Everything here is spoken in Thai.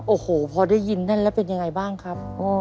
โอ้โหพอได้ยินนั่นแล้วเป็นยังไงบ้างครับ